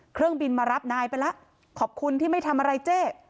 เครื่องบินมารับนายไปแล้วขอบคุณที่ไม่ทำอะไรเจ๊